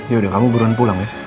yaudah kamu buruan pulang ya